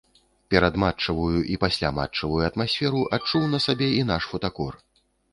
Перадматчавую і пасляматчавую атмасферу адчуў на сабе і наш фотакор.